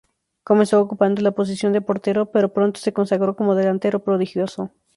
Comenzó ocupando la posición de portero pero pronto se consagró como delantero prodigioso.